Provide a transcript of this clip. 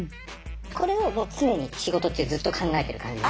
これをもう常に仕事中ずっと考えてる感じ。